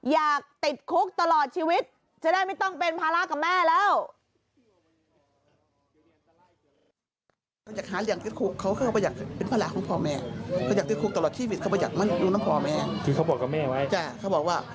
อยากติดคุกตลอดชีวิตจะได้ไม่ต้องเป็นภาระกับแม่แล้ว